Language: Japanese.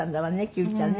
九ちゃんね。